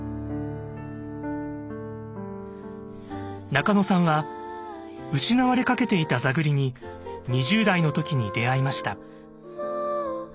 中野さんは失われかけていた座繰りに２０代の時に出会いました。